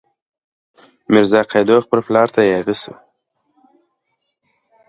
میرزا قیدو خپل پلار ته یاغي شو.